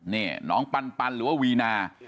นี่น้องปันหรือว่าวีนา